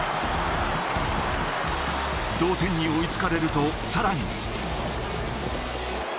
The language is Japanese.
同点に追いつかれると、さらに。